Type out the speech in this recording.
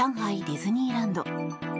ディズニーランド。